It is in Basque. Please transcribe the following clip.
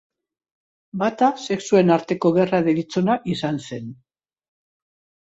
Bata sexuen arteko gerra deritzona izan zen.